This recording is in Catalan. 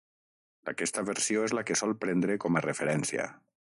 Aquesta versió és la que sol prendre com a referència.